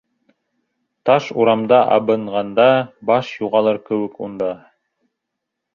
Таш урамда абынғанда Баш юғалыр кеүек унда.